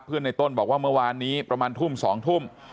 ในต้นบอกว่าเมื่อวานนี้ประมาณทุ่ม๒ทุ่ม